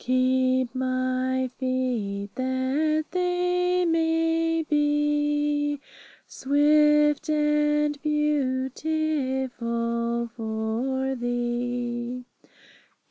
Keep my feet, that they may be Swift and 'beautiful' for Thee.